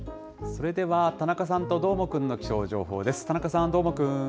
それでは田中さんとどーもくんの気象情報です。